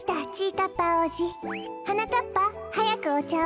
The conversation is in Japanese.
はなかっぱはやくおちゃを。